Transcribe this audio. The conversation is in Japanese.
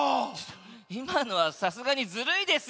いまのはさすがにずるいです！